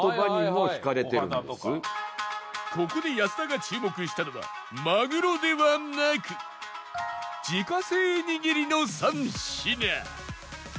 ここで安田が注目したのはまぐろではなく自家製握りの３品